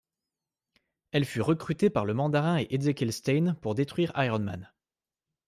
Elle fut recrutée par Le Mandarin et Ezekiel Stane pour détruire Iron Man.